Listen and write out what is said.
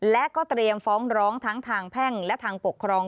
และก็เตรียมฟ้องร้องทั้งทางแพ่งและทางปกครอง